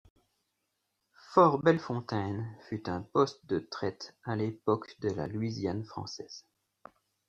Fort Belle Fontaine fut un poste de traite à l'époque de la Louisiane française.